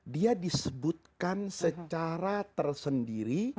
dia disebutkan secara tersendiri